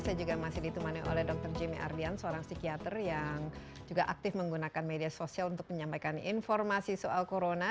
saya juga masih ditemani oleh dr jimmy ardian seorang psikiater yang juga aktif menggunakan media sosial untuk menyampaikan informasi soal corona